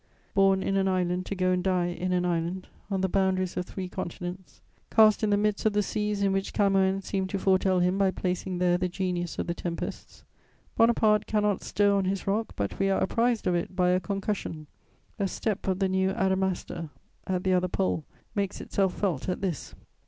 Born in an island to go and die in an island, on the boundaries of three continents; cast in the midst of the seas in which Camoëns seemed to foretell him by placing there the genius of the tempests, Bonaparte cannot stir on his rock but we are apprized of it by a concussion; a step of the new Adamastor at the other Pole makes itself felt at this.